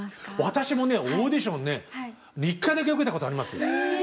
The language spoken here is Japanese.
私もねオーディションね１回だけ受けたことあります。